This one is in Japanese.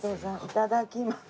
いただきます。